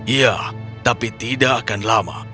iya tapi tidak akan lama